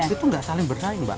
itu nggak saling bersaing mbak